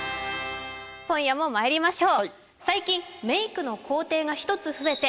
今夜もまいりましょう